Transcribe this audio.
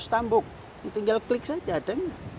stampbook tinggal klik saja ada